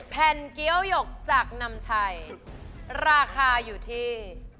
แผ่นเกี้ยวหยกจากนำชัยราคาอยู่ที่